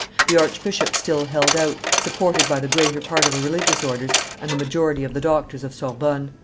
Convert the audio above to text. The archbishop still held out, supported by the greater part of the religious orders and the majority of the doctors of Sorbonne.